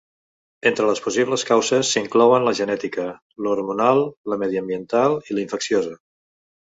Entre les possibles causes s'inclouen la genètica, l'hormonal, la mediambiental i la infecciosa.